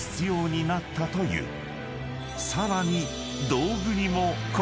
［さらに］